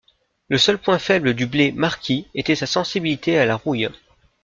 Le seul point faible du blé 'Marquis' était sa sensibilité à la rouille.